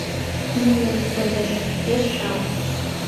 Кумылем кодеш, пеш жал.